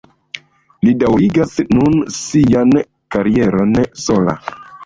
Li daŭrigas nun sian karieron sola.